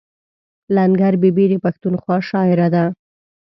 لنګر بي بي د پښتونخوا شاعره ده.